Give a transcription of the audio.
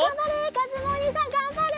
かずむおにいさんがんばれ！